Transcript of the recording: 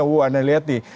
wow anda lihat nih